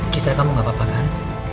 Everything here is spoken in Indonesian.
kita kamu gak apa apa kan